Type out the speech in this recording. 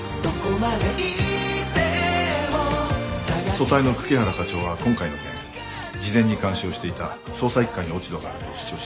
組対の久木原課長は今回の件事前に監視をしていた捜査一課に落ち度があると主張しています。